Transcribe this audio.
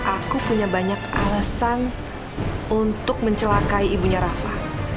aku punya banyak alasan untuk mencelakai ibunya rafa